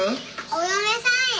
お嫁さんや！